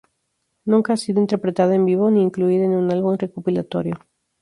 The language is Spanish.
Nunca ha sido interpretada en vivo ni incluida en un álbum recopilatorio.